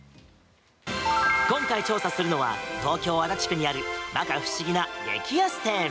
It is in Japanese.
今回、調査するのは東京・足立区にある摩訶不思議な激安店！